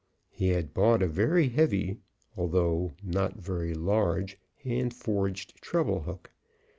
He had bought a very heavy, although not a very large, hand forged treble hook.